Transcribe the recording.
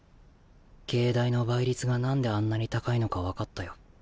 藝大の倍率がなんであんなに高いのか分かったよ。